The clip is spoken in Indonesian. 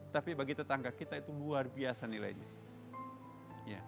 tapi bagi tetangga kita itu luar biasa nilainya